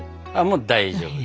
もう大丈夫。